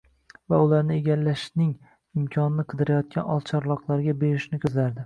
va ularni egallashning imkonini qidirayotgan oqcharloqlarga berishni ko‘zlardi.